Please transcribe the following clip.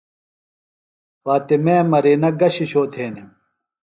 فاطمے مرینہ گہ شِشو تھینِم؟